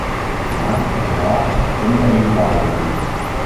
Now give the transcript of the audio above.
Maar - ik herhaal - zonder enig waardeoordeel.